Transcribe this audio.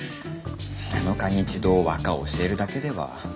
７日に一度和歌を教えるだけでは。